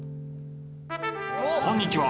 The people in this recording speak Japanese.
こんにちは。